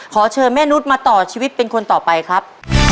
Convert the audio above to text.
ขอเชิญแม่นุษย์มาต่อชีวิตเป็นคนต่อไปครับ